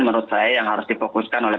menurut saya yang harus difokuskan oleh